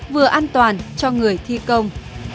vừa an toàn cho người thi công